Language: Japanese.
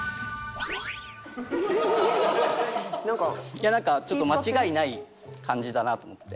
いやなんかちょっと間違いない感じだなと思って。